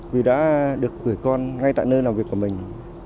vì đã được gửi con ngay tại nơi làm việc của mình